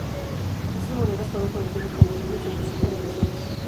Estas monedas fueron conocidas como "rubias" o "pesetas de las uvas".